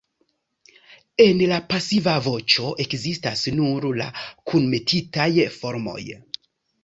En la pasiva voĉo ekzistas nur la kunmetitaj formoj.